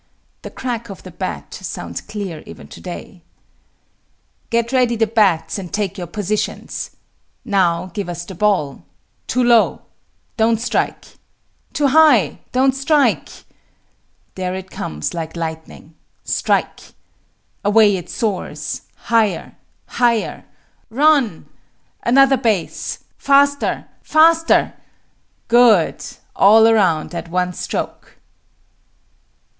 The crack of the bat sounds clear even today: Get ready the bats and take your positions. Now, give us the ball. Too low. Don't strike. Too high. Don't strike. There it comes like lightning. Strike! Away it soars! Higher! Higher! Run! Another base! Faster! Faster! Good! All around at one stroke!